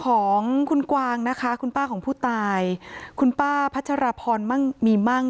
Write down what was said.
ของคุณกวางนะคะคุณป้าของผู้ตายคุณป้าพัชรพรมั่งมีมั่ง